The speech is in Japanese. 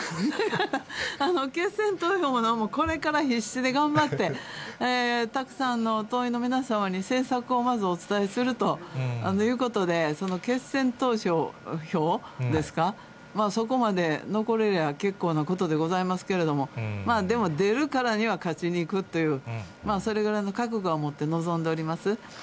決選投票も何も、これから必死で頑張って、たくさんの党員の皆様に政策をまずお伝えするということで、その決選投票ですか、そこまで残れりゃ結構なことですけれども、でも出るからには勝ちにいくという、それぐらいの覚悟を持って臨んでおります。